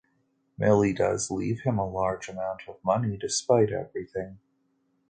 Milly does leave him a large amount of money despite everything.